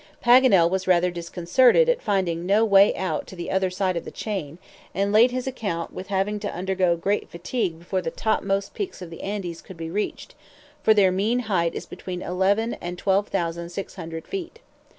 Paganel was rather disconcerted at finding no way out to the other side of the chain, and laid his account with having to undergo great fatigue before the topmost peaks of the Andes could be reached, for their mean height is between eleven and twelve thousand six hundred feet.